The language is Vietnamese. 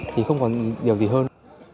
thì không còn điều gì hơn